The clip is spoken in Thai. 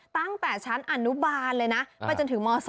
ตั้งแต่ชั้นอนุบาลเลยนะไปจนถึงม๒